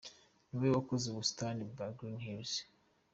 Niwe wakoze ubusitani bwa Green Hills.